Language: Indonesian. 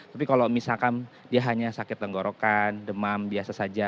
tapi kalau misalkan dia hanya sakit tenggorokan demam biasa saja